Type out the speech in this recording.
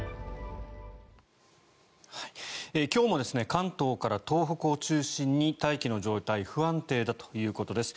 今日も関東から東北を中心に大気の状態が不安定だということです。